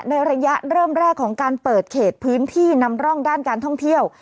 ในระยะเริ่มแรกของการเปิดเขตพื้นที่นำร่องด้านการท่องเที่ยว